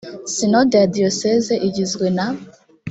sinode ya diyoseze igizwe na